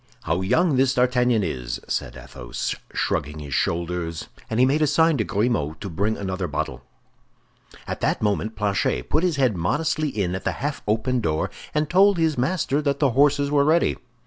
"How young this D'Artagnan is!" said Athos, shrugging his shoulders; and he made a sign to Grimaud to bring another bottle. At that moment Planchet put his head modestly in at the half open door, and told his master that the horses were ready.